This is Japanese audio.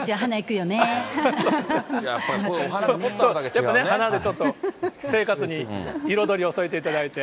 やっぱりね、花でちょっと生活に彩りを添えていただいて。